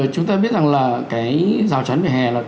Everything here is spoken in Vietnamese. chúng ta biết rằng là cái rào chắn về hè là